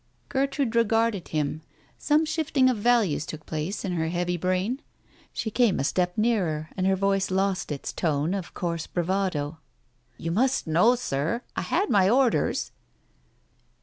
Gertrude regarded him. Some shifting of values took place in her heavy brain. She came a step nearer, and her voice lost its tone of coarse bravado. "You must know, Sir, I had my orders?